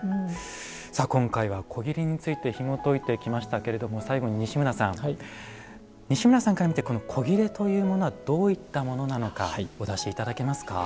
さあ今回は古裂についてひもといてきましたけれども最後に西村さん西村さんから見てこの古裂というものはどういったものなのかお出し頂けますか。